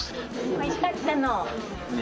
おいしかったの？